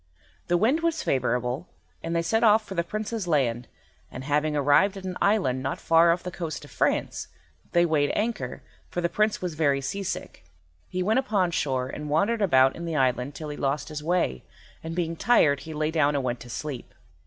The wind was favourable, and they set off for the Prince's land, and, having arrived at an island not far off the coast of France, they weighed anchor, for the Prince was very sea sick. He went upon shore and wandered about in the island till he lost his way, and being tired he lay down and went to sleep.